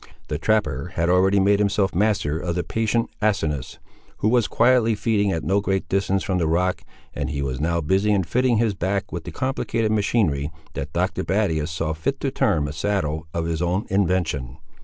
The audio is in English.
The trapper had already made himself master of the patient Asinus, who was quietly feeding at no great distance from the rock, and he was now busy in fitting his back with the complicated machinery that Dr. Battius saw fit to term a saddle of his own invention.